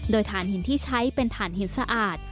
โดยฐานหินที่ใช้เป็นฐานหินสะอาด